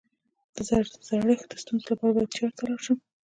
د زړښت د ستونزو لپاره باید چا ته لاړ شم؟